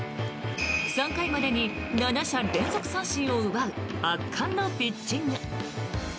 ３回までに７者連続三振を奪う圧巻のピッチング。